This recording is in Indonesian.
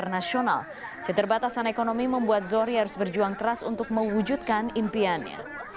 indonesia tidak punya sejarah sejauh ini